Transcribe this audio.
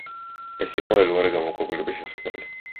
ეს იყო ელვარე გამოქვაბულების შესასვლელი.